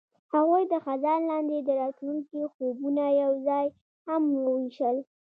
هغوی د خزان لاندې د راتلونکي خوبونه یوځای هم وویشل.